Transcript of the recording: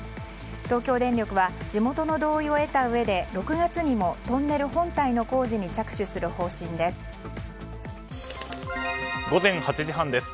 東京電力は地元の同意を得たうえで、６月にもトンネル本体の工事に着手する方針です。